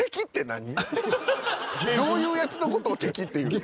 どういうやつのことを敵っていうの？